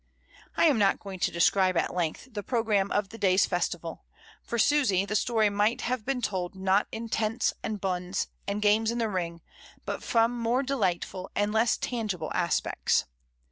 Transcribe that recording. I am not going to describe at length the pro gramme of the day's festival; for Susy, the story might have been told not in tents and buns, and games in the ring, but from more delightful and less tangible aspects.